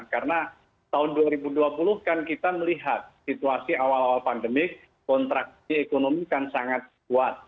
karena tahun dua ribu dua puluh kan kita melihat situasi awal awal pandemik kontraksi ekonomi kan sangat kuat